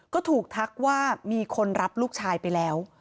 ก็ถูกทักว่ามีคนรับลูกชายไปแล้ว